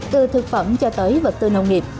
từ thực phẩm cho tới vật tư nông nghiệp